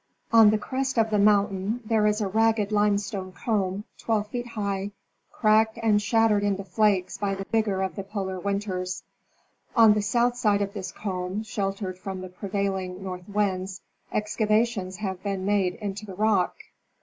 On the crest of the mountain there is a ragged limestone comb twelve feet high, cracked and shattered into flakes by the vigor of the polar winters. On the south side of this comb, sheltered from the prevailing north winds, excava tions have been made into the rock.